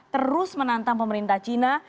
terus menantang pemerintah china